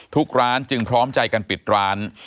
ทุกร้านจึงพร้อมใจกันปิดร้าน